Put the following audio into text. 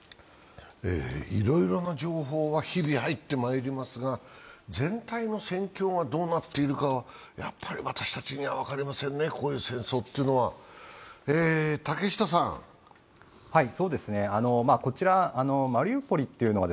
いろいろな情報が日々入ってきますが、全体の戦況がどうなっているか私たちには分かりませんね、こういう戦争っていうのは。